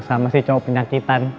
sama sih cowok penyakitan